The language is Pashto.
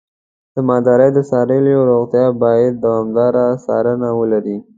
د مالدارۍ د څارویو روغتیا باید دوامداره څارنه ولري.